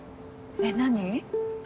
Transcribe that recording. えっ何？